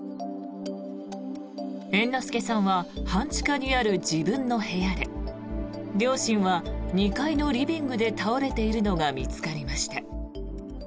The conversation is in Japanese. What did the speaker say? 猿之助さんは半地下にある自分の部屋で両親は２階のリビングで倒れているのが見つかりました。